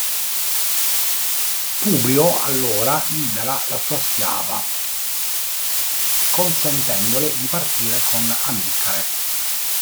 Publio allora libera la sua schiava consentendole di partire con Amilcare.